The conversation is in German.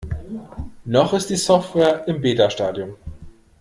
Noch ist die Software im Beta-Stadium.